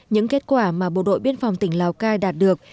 những kết quả mà bộ đội biên phòng tỉnh lào cai đạt được